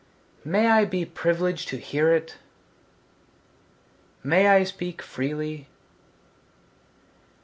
May I be privileged to hear it? May I speak freely?